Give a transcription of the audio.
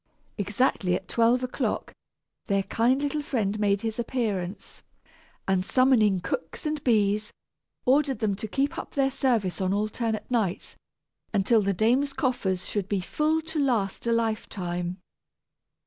Exactly at twelve o'clock, their kind little friend made his appearance, and summoning cooks and bees, ordered them to keep up their service on alternate nights, until the dame's coffers should be full to last a lifetime.